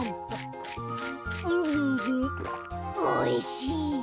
おいしい。